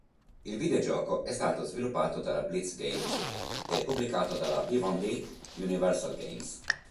Il videogioco è stato sviluppato dalla Blitz Games e pubblicato dalla Vivendi Universal Games.